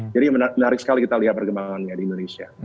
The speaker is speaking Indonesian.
jadi menarik sekali kita lihat perkembangannya di indonesia